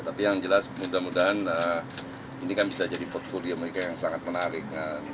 tapi yang jelas mudah mudahan ini kan bisa jadi portfolio mereka yang sangat menarik